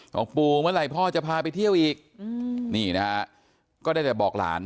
บอกปู่เมื่อไหร่พ่อจะพาไปเที่ยวอีกนี่นะฮะก็ได้แต่บอกหลาน